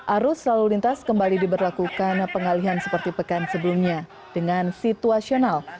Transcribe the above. arus lalu lintas kembali diberlakukan pengalihan seperti pekan sebelumnya dengan situasional